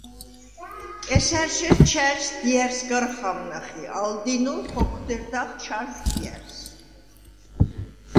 კესა̈რშერ ჩა̈ჟს დია̈რს გარ ხამნახ ი ალ დინოლ ხოქვთერდახ ჩაჟვ დია̈რს.